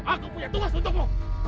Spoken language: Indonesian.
aku punya tugas untukmu